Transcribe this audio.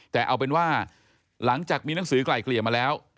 แต่เอาเป็นว่าหลังจากมีหนังสือไกลเกลี่ยมาแล้ว